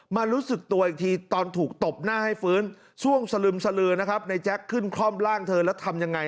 รู้สึกตัวอีกทีตอนถูกตบหน้าให้ฟื้นช่วงสลึมสลือนะครับในแจ๊คขึ้นคล่อมร่างเธอแล้วทำยังไง